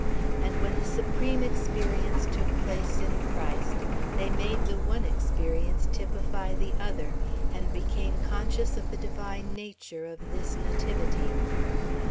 And when the supreme experience took place in Christ, they made the one experience typify the other, and became conscious of the divine nature of this nativity.